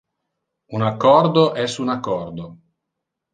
Un accordo es un accordo.